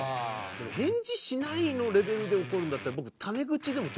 でも返事しないのレベルで怒るんだったら僕。